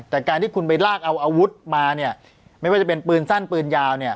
แต่การที่คุณไปลากเอาอาวุธมาเนี่ยไม่ว่าจะเป็นปืนสั้นปืนยาวเนี่ย